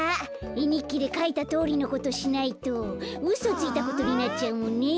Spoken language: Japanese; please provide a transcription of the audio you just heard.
えにっきでかいたとおりのことしないとうそついたことになっちゃうもんね。